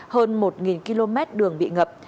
hơn một km đường bị ngập